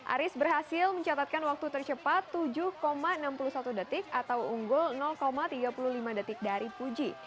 aris berhasil mencatatkan waktu tercepat tujuh enam puluh satu detik atau unggul tiga puluh lima detik dari puji